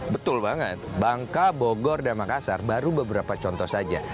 betul banget bangka bogor dan makassar baru beberapa contoh saja